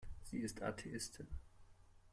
Sie ist Atheistin.